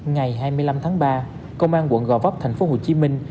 ngày hai mươi năm tháng ba công an quận gò vấp thành phố hồ chí minh